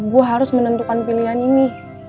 gue harus menentukan pilihan ini